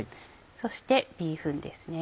そしてビーフンですね。